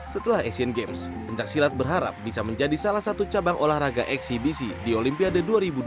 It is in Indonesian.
setelah asian games pencaksilat berharap bisa menjadi salah satu cabang olahraga eksibisi di olimpiade dua ribu dua puluh